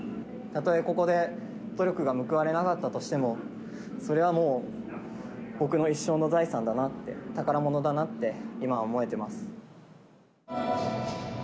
たとえここで、努力が報われなかったとしても、それはもう僕の一生の財産だなって、宝物だなって、今は思えてます。